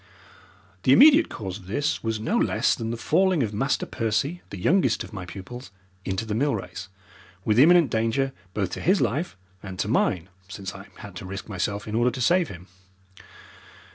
The immediate cause of this was no less than the falling of Master Percy, the youngest of my pupils, into the mill race, with imminent danger both to his life and to mine, since I had to risk myself in order to save him.